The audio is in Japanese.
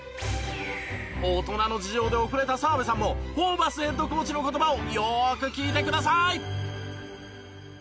大人の事情で遅れた澤部さんもホーバスヘッドコーチの言葉をよく聞いてください！